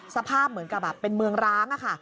สภาพเหมือนกับเป็นเมืองร้าง